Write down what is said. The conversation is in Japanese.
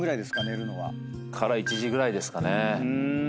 寝るのは。から１時ぐらいですかね。